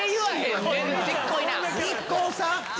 ＮＩＫＫＯさんや！